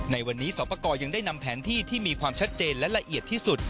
ในวันนี้สอบประกอบยังได้นำแผนที่ที่มีความชัดเจนและละเอียดที่สุด